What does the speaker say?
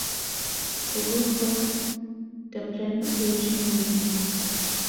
The group called the plan Operation Wedding.